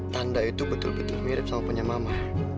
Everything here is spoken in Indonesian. tanda itu betul betul mirip sama punya mama